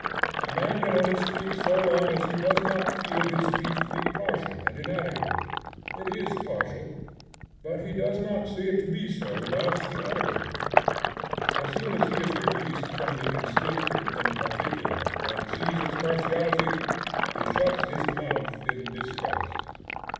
A man can only speak so long as he does not feel his speech to be partial and inadequate. It is partial, but he does not see it to be so whilst he utters it. As soon as he is released from the instinctive and particular and sees its partiality, he shuts his mouth in disgust.